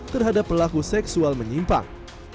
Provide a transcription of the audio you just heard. terhadap pelaku seksual menyimpang